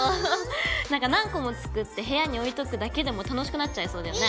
何か何個も作って部屋に置いとくだけでも楽しくなっちゃいそうだよね。